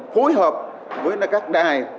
phối hợp với các đài